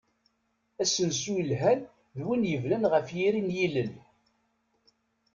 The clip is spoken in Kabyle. Asensu yelhan d win yebnan ɣef yiri n yilel.